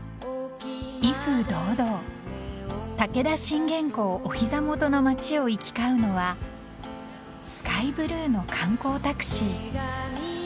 ［威風堂々武田信玄公お膝元の街を行き交うのはスカイブルーの観光タクシー］